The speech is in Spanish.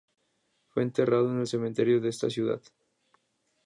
Fue enterrado en el cementerio de esa ciudad.